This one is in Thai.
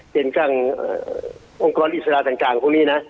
เป็นการองค์กรอิสระต่างตรงนี้นะ